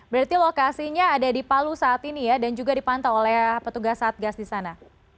berarti lokasinya ada di palu saat ini ya dan juga dipantau oleh petugas satgas di sana